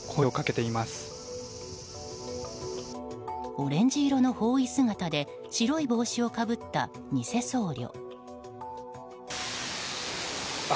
オレンジ色の法衣姿で白い帽子をかぶったニセ僧侶。